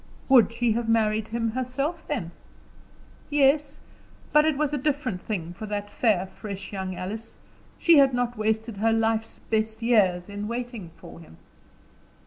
Would she have married him herself, then? Yes. But it was a different thing for that fair, fresh young Alice; she had not wasted her life's best years in waiting for him.